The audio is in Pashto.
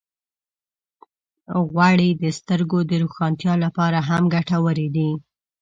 غوړې د سترګو د روښانتیا لپاره هم ګټورې دي.